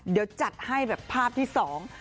เดี๋ยวจัดให้แบบภาพที่สอง